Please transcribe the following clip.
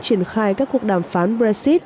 triển khai các cuộc đàm phán brexit